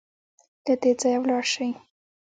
له دې ځايه ولاړ سئ